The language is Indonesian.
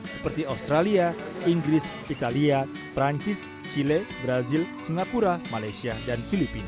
seperti australia inggris italia perancis chile brazil singapura malaysia dan filipina